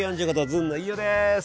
ずんの飯尾です。